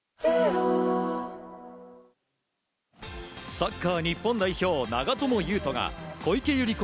サッカー日本代表、長友佑都が小池百合子